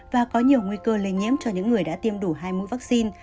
và có nhiều nguy cơ lây nhiễm cho những người đã tiêm đủ hai mũi vaccine